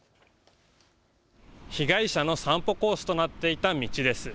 被害者の散歩コースとなっていた道です。